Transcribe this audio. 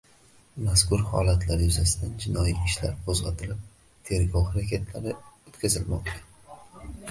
Mazkur holatlar yuzasidan jinoyat ishlari qo‘zg‘atilib, tergov harakatlari o‘tkazilmoqda